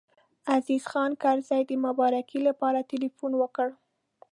عزیز خان کرزی د مبارکۍ لپاره تیلفون وکړ.